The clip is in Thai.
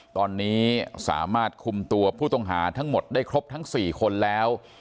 ตอนนี้สามารถคุมตัวผู้ต้องหาทั้งหมดได้ครบทั้ง๔คนแล้ว